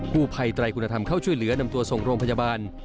ผู้ภัยไตรคุณธรรมเข้าช่วยเหลือนำตัวส่งโรงพยาบาล